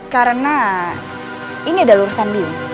karena ini adalah urusan biong